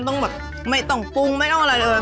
กินเปล่าได้เลยไม่ต้องปรุงไม่ต้องอะไรเลย